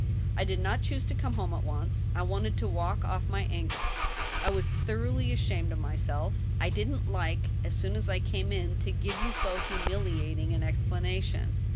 I did not choose to come home at once. I wanted to walk off my anger. I was thoroughly ashamed of myself. I didn't like, as soon as I came in, to give you so humiliating an explanation.